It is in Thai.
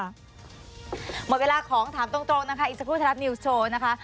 หมดเวลาของถามตรงนะคะอีกสักครู่ไทยรัฐนิวส์โชว์นะคะ